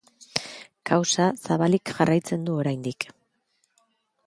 Kausa zabalik jarraitzen du oraindik.